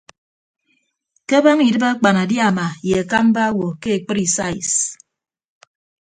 Ke abaña idịb akpanadiama ye akamba awo ke ekpri sais.